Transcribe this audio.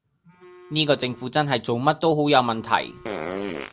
呢個政府真係做乜都好有問題